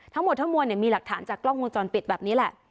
ทั้งหมดทั้งมวลมีหลักฐานจากกล้องวงจรปิดแบบนี้แหละ